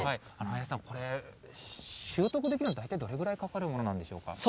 林さん、これ、習得できるの、大体どれぐらいかかるもんなんでしょうか。